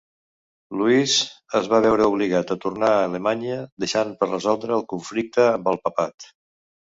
Louis es va veure obligat a tornar a Alemanya, deixant per resoldre el conflicte amb el papat.